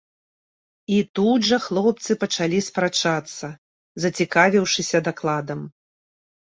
І тут жа хлопцы пачалі спрачацца, зацікавіўшыся дакладам.